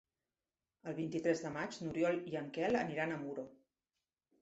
El vint-i-tres de maig n'Oriol i en Quel aniran a Muro.